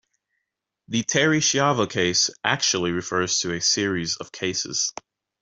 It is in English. The "Terri Schiavo case" actually refers to a series of cases.